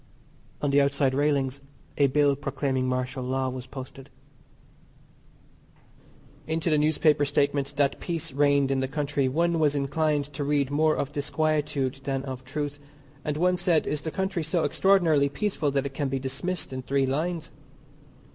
On the outside railings a bill proclaiming Martial Law was posted. Into the newspaper statement that peace reigned in the country one was inclined to read more of disquietude than of truth, and one said is the country so extraordinarily peaceful that it can be dismissed in three lines.